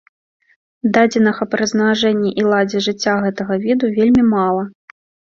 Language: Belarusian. Дадзеных аб размнажэнні і ладзе жыцця гэтага віду вельмі мала.